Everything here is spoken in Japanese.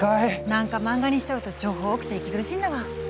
なんか漫画にしちゃうと情報多くて息苦しいんだわ。